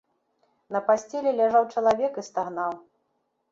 На пасцелі ляжаў чалавек і стагнаў.